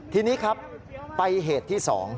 ทีนี้ครับไปเหตุที่๒